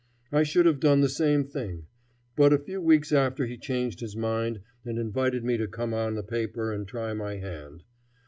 I should have done the same thing. But a few weeks after he changed his mind and invited me to come on the paper and try my hand.